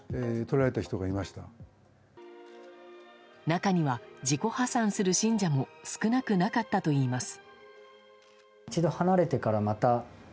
中には自己破産する信者も少なくなかったといいます。